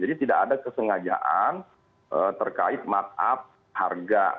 jadi tidak ada kesengajaan terkait markup harga